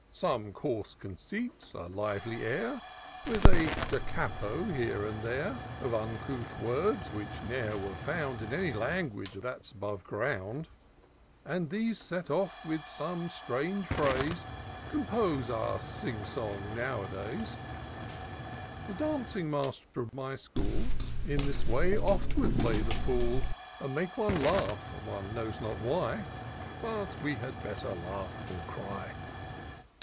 Some coarse conceits^ a lively air, With a da capo here and there Of uncouth words, which ne'er were found In any language above ground ; And these, set off with some strange phrase. Compose our sing song now a days. The dancing master of my school In this way oft will play the fool. And make one laugh — one knows not why — But we had better laugh than cry.